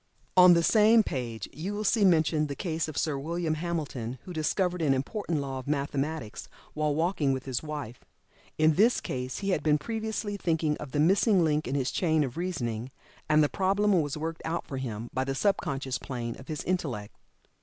On the same page you will see mentioned the case of Sir William Hamilton, who discovered an important law of mathematics while walking with his wife. In this case he had been previously thinking of the missing link in his chain of reasoning, and the problem was worked out for him by the sub conscious plane of his Intellect.